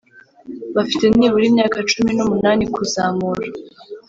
bafite nibura imyaka cumi n umunani kuzamura